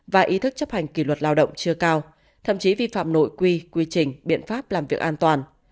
và ý thức chấp hành kỷ luật lao động chưa cao thậm chí vi phạm nội quy quy trình biện pháp làm việc an toàn